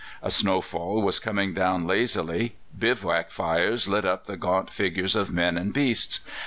A snowfall was coming down lazily; bivouac fires lit up the gaunt figures of men and beasts.